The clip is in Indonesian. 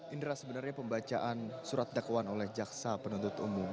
inilah sebenarnya pembacaan surat dakwaan oleh jaksa penuntut umum